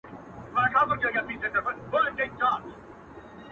صحرايي ویل موچي درته وهمه!